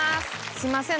すいません。